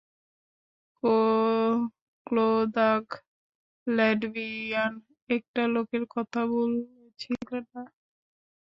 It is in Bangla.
ক্লোদাঘ ল্যাটভিয়ান একটা লোকের কথা বলেছিল না?